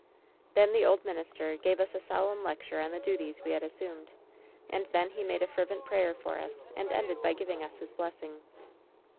"Then the old minister gave us a solemn lecture on the duties we had assumed. And then he made a fervent prayer for us, and ended by giving us his blessing.